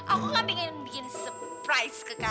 aku nggak ingin bikin surprise ke kamu